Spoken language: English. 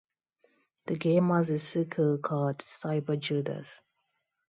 The game has a sequel called "CyberJudas".